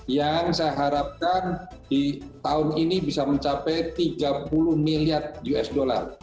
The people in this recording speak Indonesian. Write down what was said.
yang saya harapkan di tahun ini bisa mencapai tiga puluh miliar usd